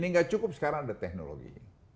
ini nggak cukup sekarang ada teknologi